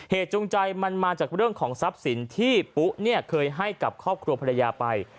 จูงใจมันมาจากเรื่องของทรัพย์สินที่ปุ๊เคยให้กับครอบครัวภรรยาไป